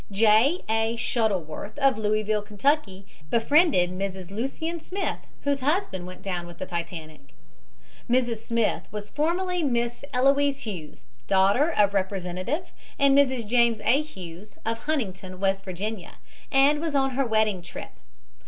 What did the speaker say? J. A. Shuttleworth, of Louisville, Ky., befriended Mrs. Lucien Smith, whose husband went down with the Titanic. Mrs. Smith was formerly Miss Eloise Hughes, daughter of Representative and Mrs. James A. Hughes, of Huntington, W. Va., and was on her wedding trip.